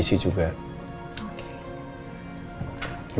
di rumah juga ada andien